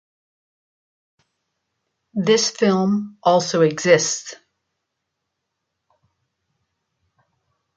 This film also exists.